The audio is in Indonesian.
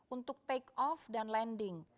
untuk take off dan landing